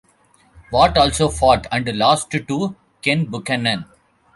Watt also fought, and lost to, Ken Buchanan.